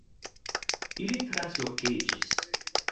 Ili translokiĝis